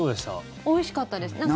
おいしかったです。